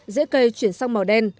dễ cây chuyển sang màu đen